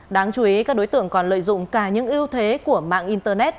đáng chú ý các đối tượng còn lợi dụng cả những ưu thế của mạng internet